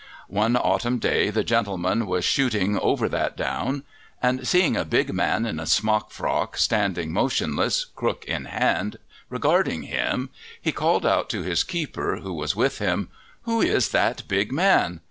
One autumn day the gentleman was shooting over that down, and seeing a big man in a smock frock standing motionless, crook in hand, regarding him, he called out to his keeper, who was with him, "Who is that big man?"